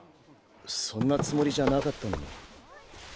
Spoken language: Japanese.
そんなつもりじゃなかったのに。